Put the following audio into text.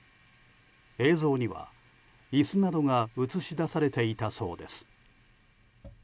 映像には椅子などが映し出されていたそうです。